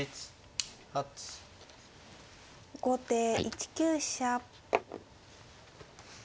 後手１九飛車。